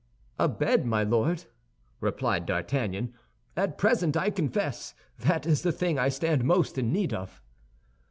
"A bed, my Lord," replied D'Artagnan. "At present, I confess, that is the thing I stand most in need of."